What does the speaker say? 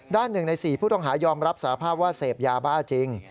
ด้านหนึ่งใน๔ผู้ต้องหายอมรับสาภาพว่าเสพยาบ้าจริง